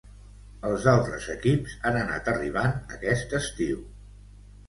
Els altres equips han anat arribant aquest estiu